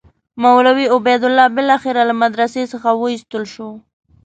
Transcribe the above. مولوي عبیدالله بالاخره له مدرسې څخه وایستل شو.